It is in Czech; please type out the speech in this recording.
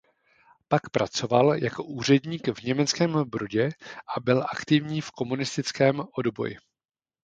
Pak pracoval jako úředník v Německém Brodě a byl aktivní v komunistickém odboji.